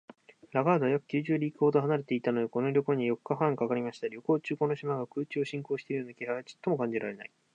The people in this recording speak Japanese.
ラガードは約九十リーグほど離れていたので、この旅行には四日半かかりました。旅行中、この島が空中を進行しているような気配はちょっとも感じられない